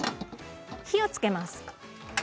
火をつけます。